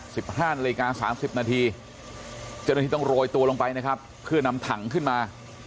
สิบห้านาฬิกาสามสิบนาทีเจ้าหน้าที่ต้องโรยตัวลงไปนะครับเพื่อนำถังขึ้นมา